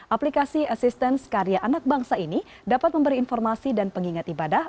aplikasi assistance karya anak bangsa ini dapat memberi informasi dan pengingat ibadah